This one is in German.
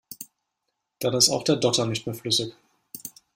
Dann ist auch der Dotter nicht mehr flüssig.